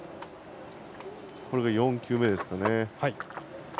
これで４球目ですかね。